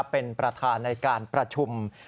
เป็นประธานในการประชุม